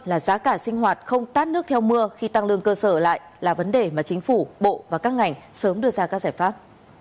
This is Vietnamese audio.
là giá cả sinh hoạt không tát nước theo mưa khi tăng lương cơ sở lại là vấn đề mà chính phủ bộ và các ngành sớm đưa ra các giải pháp